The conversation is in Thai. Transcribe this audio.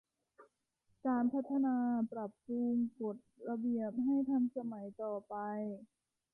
การพัฒนาปรับปรุงกฎระเบียบให้ทันสมัยต่อไป